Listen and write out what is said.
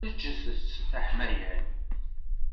Eǧǧet-t d aḥmayan.